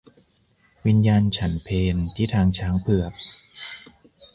วิญญาณฉันเพลที่ทางช้างเผือก